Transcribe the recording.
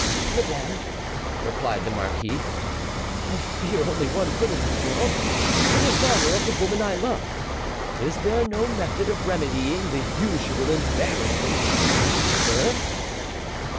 "Madame," replied the marquis, "I fear only one thing in the world, the dishonour of the woman I love. Is there no method of remedying the usual embarrassment of a birth?"